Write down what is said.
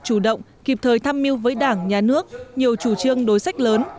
chủ động kịp thời thăm mưu với đảng nhà nước nhiều chủ trương đối sách lớn